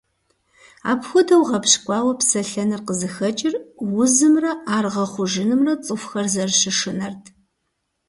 Апхуэдэу гъэпщкӏуауэ псэлъэныр къызыхэкӏыр узымрэ ар гъэхъужынымрэ цӏыхухэр зэрыщышынэрт.